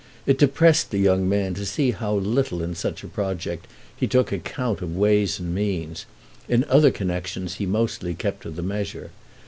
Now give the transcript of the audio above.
It depressed the young man to see how little in such a project he took account of ways and means: in other connexions he mostly kept to the measure.